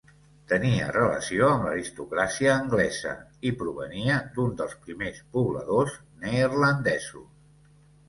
Tenia relació amb l’aristocràcia anglesa i provenia d'un dels primers pobladors neerlandesos.